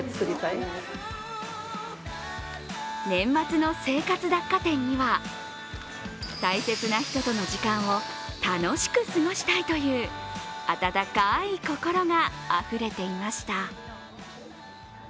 年末の生活雑貨店には大切な人との時間を楽しく過ごしたいという温かい心があふれていました。